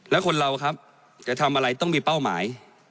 แล้วคนเราครับจะทำอะไรต้องมีเป้าหมาย